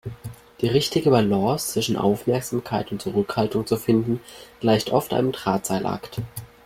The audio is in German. Die richtige Balance zwischen Aufmerksamkeit und Zurückhaltung zu finden, gleicht oft einem Drahtseilakt.